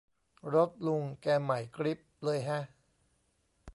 รถลุงแกใหม่กริ๊บเลยแฮะ